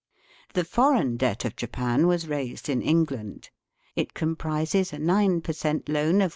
The foreign debt of Japan was raised in England. It comprises a nine per cent, loan VOL.